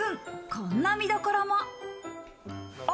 こんな見どころも。